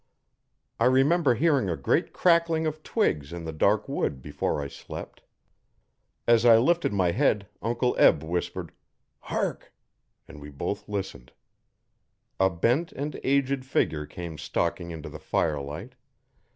I remember hearing a great crackling of twigs in the dark wood before I slept. As I lifted my head, Uncle Eb whispered, 'Hark!' and we both listened. A bent and aged figure came stalking into the firelight.